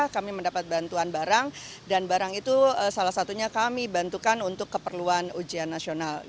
kami mendapat bantuan barang dan barang itu salah satunya kami bantukan untuk keperluan ujian nasional